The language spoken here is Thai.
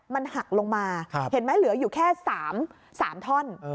มันหักลงมาเห็นไหมเหลืออยู่แค่๓ท่อน